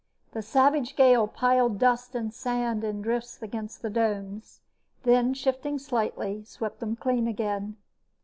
The savage gale piled dust and sand in drifts against the domes, then, shifting slightly, swept them clean again.